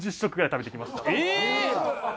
え！